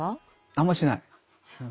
あんましない。